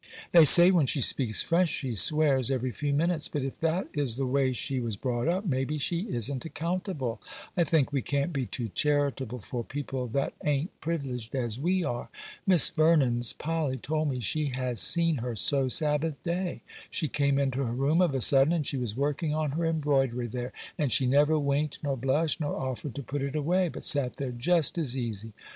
They say when she speaks French she swears every few minutes; but if that is the way she was brought up, maybe she isn't accountable. I think we can't be too charitable for people that a'n't privileged as we are. Miss Vernon's Polly told me she has seen her sew Sabbath day. She came into her room of a sudden, and she was working on her embroidery there, and she never winked, nor blushed, nor offered to put it away, but sat there just as easy!